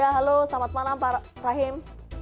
halo selamat malam pak rahim